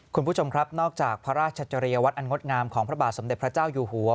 คุณผู้ชมครับนอกจากพระราชจริยวัตรอันงดงามของพระบาทสมเด็จพระเจ้าอยู่หัว